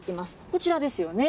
こちらですよね。